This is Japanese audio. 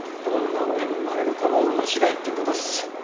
どんな親に生まれるかも運しだいってことっす。